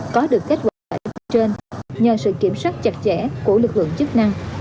có được kết quả trên nhờ sự kiểm soát chặt chẽ của lực lượng chức năng